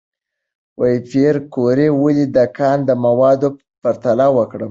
پېیر کوري ولې د کان د موادو پرتله وکړه؟